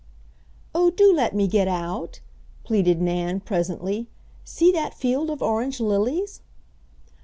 "Oh, do let me get out?" pleaded Nan presently. "See that field of orange lilies."